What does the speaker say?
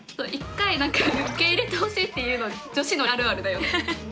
１回受け入れてほしいっていうの女子のあるあるだよね。